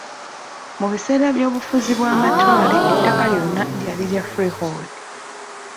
Mu biseera by'obufuzi bw'amatwale ettaka lyonna lyali lya freehold.